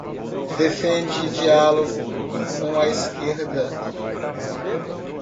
defende diálogo com a esquerda